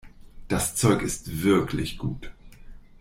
Das Zeug ist wirklich gut.